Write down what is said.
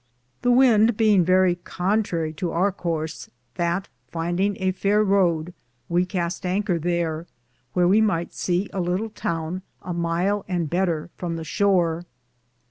The wynde beinge verrie contrarie to our cource, that findinge a faire Roode, we Caste anker thare, wheare we myghte se a litle towne, a myle and better from the shore.